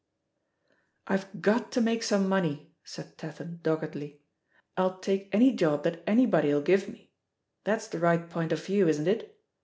"I've got to make some money," said Tatham doggedly. "I'll take any job that anybody '11 give me. That's the right point of view, isn't it?